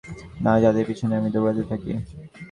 অন্ততপক্ষে তুমি তো তাদের মতো না যাদের পিছনে আমি দৌড়াতে থাকি।